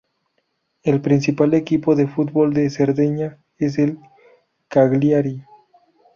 El principal equipo de fútbol de Cerdeña es el Cagliari.